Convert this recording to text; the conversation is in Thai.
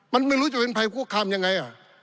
มันไม่รู้จะเป็นภัยคุกคามยังไง